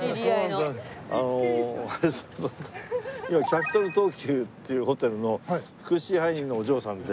キャピトル東急っていうホテルの副支配人のお嬢さんで。